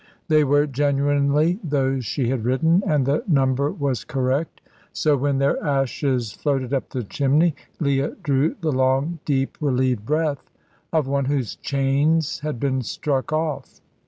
They were genuinely those she had written, and the number was correct, so, when their ashes floated up the chimney, Leah drew the long, deep, relieved breath of one whose chains have been struck off.